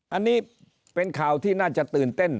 อันนี้เป็นข่าวที่น่าจะตื่นเต้น